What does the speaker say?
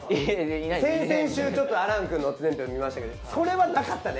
先々週ちょっと亜嵐くんの乙年表見ましたけどこれはなかったね。